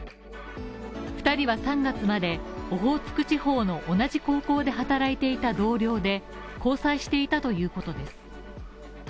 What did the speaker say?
２人は３月までオホーツク地方の同じ高校で働いていた同僚で交際していたということです。